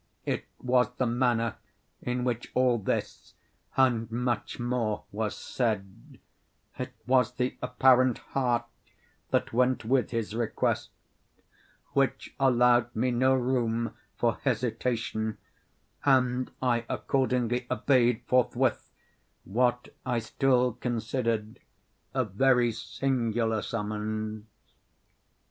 It was the manner in which all this, and much more, was said—it was the apparent heart that went with his request—which allowed me no room for hesitation; and I accordingly obeyed forthwith what I still considered a very singular summons.